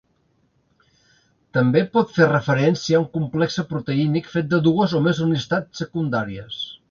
També pot fer referència a un complexe proteínic fet de dues o més unitats secundàries.